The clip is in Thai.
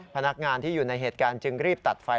พนักงานที่อยู่ในเหตุการณ์จึงรีบตัดไฟ